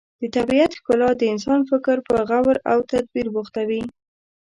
د طبیعت ښکلا د انسان فکر په غور او تدبر بوختوي.